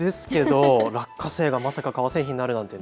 落花生がまさか革製品になるなんて。